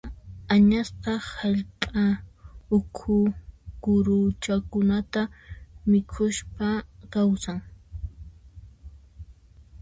Añasqa hallp'a ukhu kuruchakunata mikhuspa kawsan.